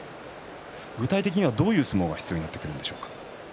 具体的にはどういう相撲が必要となってくるんでしょうか。